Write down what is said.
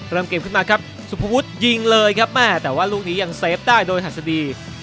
เริ่มเกมขึ้นมาครับสุภวุฒิยิงเลยครับแม่แต่ว่าลูกนี้ยังเฟฟได้โดยหัสดี